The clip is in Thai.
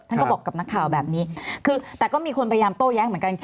ท่านก็บอกกับนักข่าวแบบนี้คือแต่ก็มีคนพยายามโต้แย้งเหมือนกัน